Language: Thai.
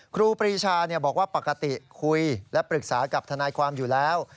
ครูปรีชาบอกว่าปกติคุยและปรึกษากับทนายความอยู่แล้ว